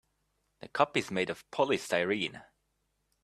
This cup is made of polystyrene.